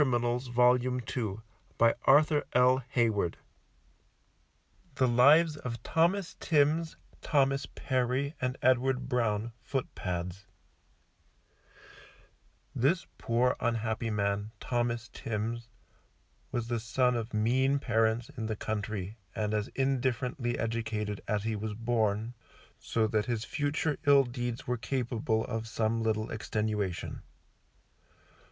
Sunday, February the 12th, 1726. Robert Haynes The Lives of THOMAS TIMMS, THOMAS PERRY, and EDWARD BROWN, Footpads This poor unhappy man, Thomas Timms, was the son of mean parents in the country and as indifferently educated as he was born, so that his future ill deeds were capable of some little extenuation.